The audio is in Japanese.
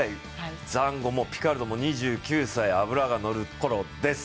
ザンゴもピカルドも２９歳、脂が乗るころです。